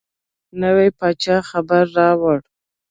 نوي پاچا خبر راووړ.